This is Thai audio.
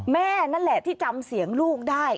แม่นั่นแหละที่จำเสียงลูกได้